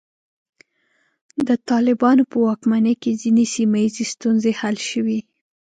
د طالبانو په واکمنۍ کې ځینې سیمه ییزې ستونزې حل شوې.